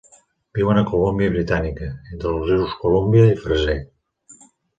Viuen a la Colúmbia Britànica, entre els rius Colúmbia i Fraser.